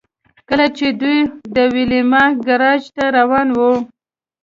کله چې دوی د ویلما ګراج ته روان وو